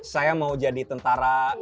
saya mau jadi tentara